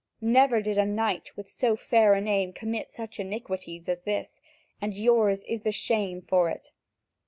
Never did a knight with so fair a name commit such iniquities as this, and yours is the shame for it."